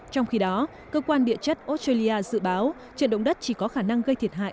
trong khi đó cơ quan địa chất australia dự báo trận động đất chỉ có khả năng gây thiệt hại